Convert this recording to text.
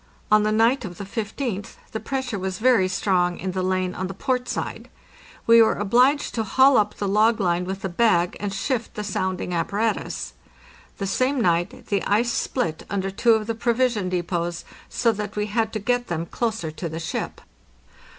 On the night of the 15th the pressure was very strong in the lane on the port side. We were obliged to haul up the log line with the bag and shift the sounding apparatus. The same night the ice split under two of the provision depots, so that we had to get them closer to the ship.